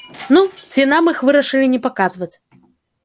Ну, ці нам іх вырашылі не паказваць.